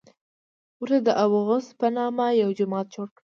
ورته د ابوغوث په نامه یو جومات جوړ کړی.